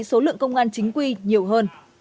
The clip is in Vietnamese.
số lượng công an chính quy nhiều hơn